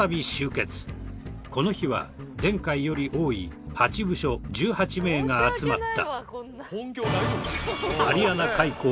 この日は前回より多い８部署１８名が集まった。